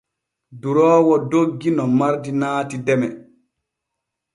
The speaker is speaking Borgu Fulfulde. Duroowo doggi no mardi naati deme.